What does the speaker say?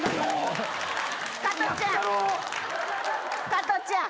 加トちゃん。